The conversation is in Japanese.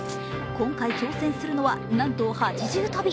今回挑戦するのはなんと８重跳び。